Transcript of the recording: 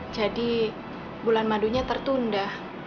jadi bulan madunya tertunda